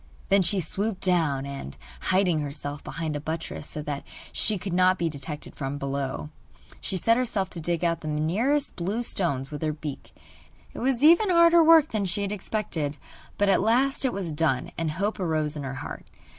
Then she swooped down, and, hiding herself behind a buttress so that she could not be detected from below, she set herself to dig out the nearest blue stones with her beak. It was even harder work than she had expected; but at last it was done, and hope arose in her heart.